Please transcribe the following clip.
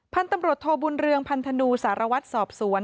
พันธุ์ตำรวจโทบุญเรืองพันธนูสารวัตรสอบสวน